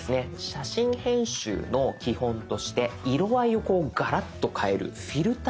写真編集の基本として色合いをこうガラッと変える「フィルター」。